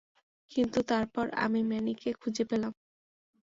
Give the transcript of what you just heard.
কিন্তু তারপর আমি ম্যানিকে খুঁজে পেলাম।